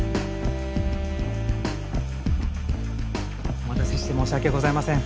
お待たせして申し訳ございません。